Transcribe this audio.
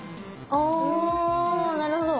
ああなるほど。